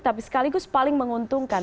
tapi sekaligus paling menguntungkan